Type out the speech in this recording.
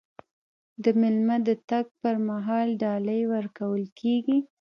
د میلمه د تګ پر مهال ډالۍ ورکول کیږي.